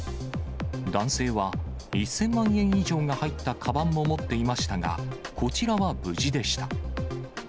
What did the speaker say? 男性は１０００万円以上が入ったかばんも持っていましたが、こちらは無事でした。